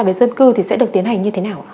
về dân cư thì sẽ được tiến hành như thế nào